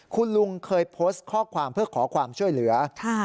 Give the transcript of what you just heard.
คุณลุงเคยโพสต์ข้อความเพื่อขอความช่วยเหลือ